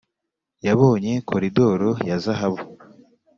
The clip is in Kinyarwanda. yabonye koridoro ya zahabu.